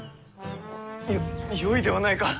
よよいではないか。